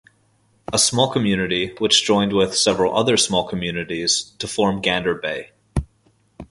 A small community, which joined with several other small communities, to form Gander Bay.